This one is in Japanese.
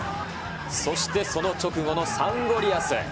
そしてその直後のサンゴリアス。